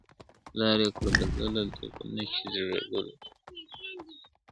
لار یې کړه بدله لکه نه چي زېږېدلی وي ,